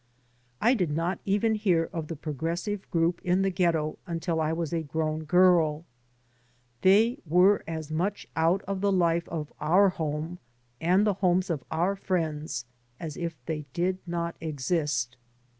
I did not even hear of the progressive j^oup in the ghetto, until I was a grown girl; they were as much out of the life of our home and the homes of our friends as if they did not exist.